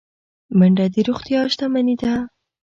منډه د روغتیا شتمني ده